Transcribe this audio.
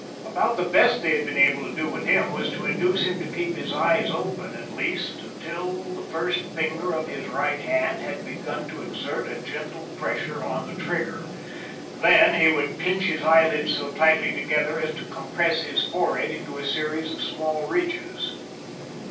About the best they had been able to do with him was to induce him to keep his eyes open, at least, until the first finger of his right hand had begun to exert a gentle pressure on the trigger. Then, he would pinch his eyelids so tightly together as to compress his forehead into a series of small ridges.